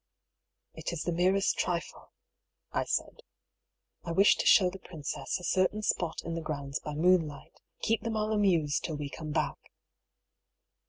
" It is the merest trifle," I said. " I wish to show the princess a certain spot in the grounds by moonlight. Keep them all amused till we come back."